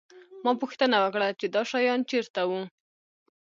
ما پوښتنه وکړه چې دا شیان چېرته وو